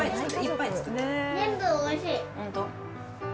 本当？